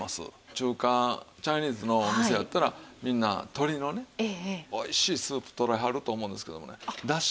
中華チャイニーズのお店やったらみんな鶏のねおいしいスープ取らはると思うんですけどもねだし。